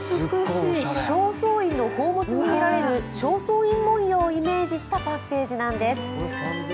正倉院の宝物に見られる正倉院文様をイメージしたパッケージなんです。